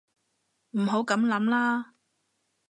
唔好噉諗啦